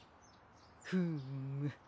フーム。